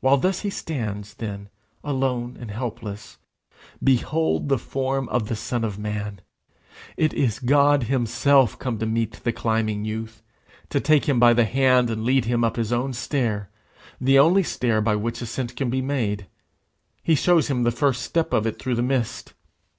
While thus he stands, then, alone and helpless, behold the form of the Son of Man! It is God himself come to meet the climbing youth, to take him by the hand, and lead him up his own stair, the only stair by which ascent can be made. He shows him the first step of it through the mist.